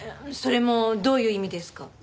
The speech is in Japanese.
それもどういう意味ですか？